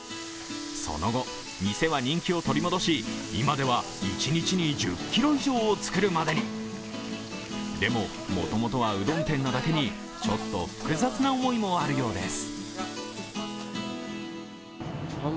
その後、店は人気を取り戻し今では１日に１０ｋｇ以上を作るまでにでも、もともとはうどん店なだけにちょっと複雑な思いもあるようです。